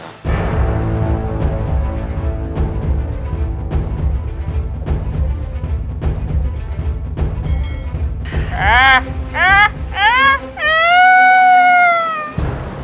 ketika raden menemukan romo